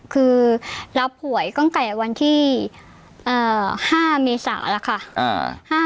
คือรับหวยตั้งแต่วันที่๕เมษาแล้วค่ะ